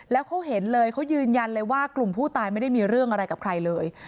แล้วเขาเห็นเลยเขายืนยันเลยว่ากลุ่มผู้ตายไม่ได้มีเรื่องอะไรกับใครเลย